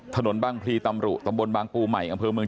ถนนบางพลีตำรุตำบลบางปูใหม่อำเภอเมือง